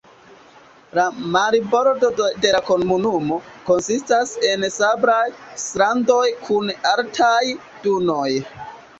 La marbordo de la komunumo konsistas el sablaj strandoj kun altaj dunoj.